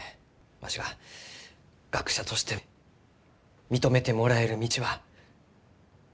わしが学者として認めてもらえる道はないがですか？